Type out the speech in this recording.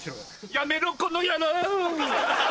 やめろこの野郎！